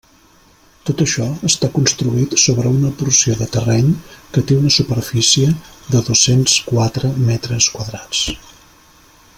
Tot això està construït sobre una porció de terreny que té una superfície de dos-cents quatre metres quadrats.